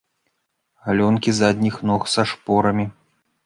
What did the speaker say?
Галёнкі задніх ног са шпорамі.